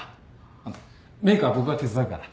あっメークは僕が手伝うから。